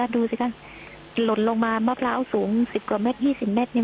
ดูสิคะหล่นลงมามากแล้วสูง๑๐กว่าเมตร๒๐เมตร